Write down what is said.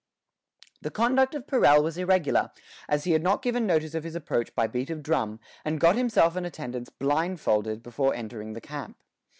The conduct of Perelle was irregular, as he had not given notice of his approach by beat of drum and got himself and attendants blindfolded before entering the camp.